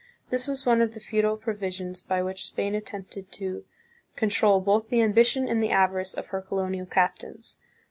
This was one of the futile provisions by which Spain at tempted to control both the ambition and the avarice of her colonial captains.